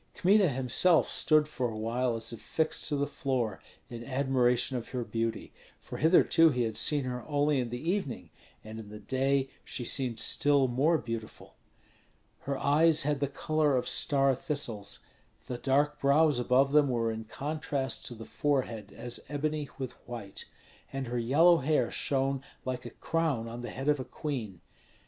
Kmita himself stood for a while as if fixed to the floor in admiration of her beauty; for hitherto he had seen her only in the evening, and in the day she seemed still more beautiful. Her eyes had the color of star thistles; the dark brows above them were in contrast to the forehead as ebony with white, and her yellow hair shone like a crown on the head of a queen.